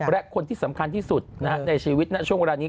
และคนที่สำคัญที่สุดในชีวิตณช่วงเวลานี้